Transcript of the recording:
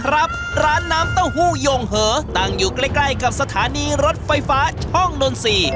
ร้านน้ำเต้าหู้ยงเหอตั้งอยู่ใกล้ใกล้กับสถานีรถไฟฟ้าช่องนนทรีย์